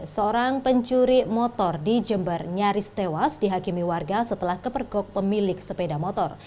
seorang pencuri motor di jember nyaris tewas dihakimi warga setelah kepergok pemilik sepeda motor